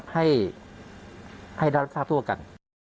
ให้ได้รับทราบทั่วกัน